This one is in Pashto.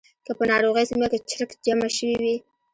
که په ناروغۍ سیمه کې چرک جمع شوی وي.